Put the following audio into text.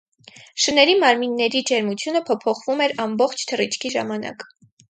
Շների մարմիների ջերմությունը փոփոխվում էր ամբողջ թռիչքի ժամանակ։